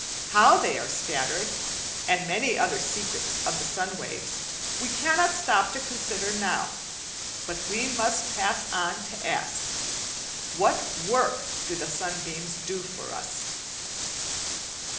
How they are scattered, and many other secrets of the sun waves, we cannot stop to consider not, but must pass on to ask What work do the sunbeams do for us?